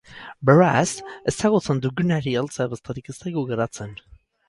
Beraz, ezagutzen dugunari heltzea besterik ez zaigu geratzen.